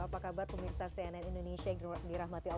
apa kabar pemirsa cnn indonesia